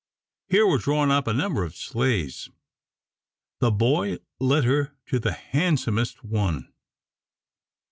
Here were drawn up a number of sleighs. The boy led her to the handsomest one.